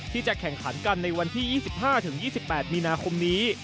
ที่จะแข่งขันกันในวันที่๒๕๒๘มีนาคมนี้